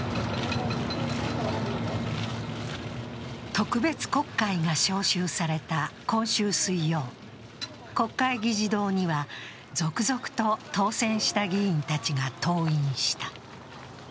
特別国会が召集された今週水曜国会議事堂には続々と当選した議員たちが登院した。